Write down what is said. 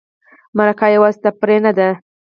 مرکه یوازې تفریح نه ده.